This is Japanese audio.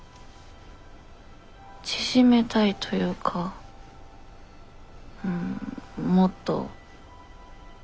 縮めたいというかうんもっと何て言うか。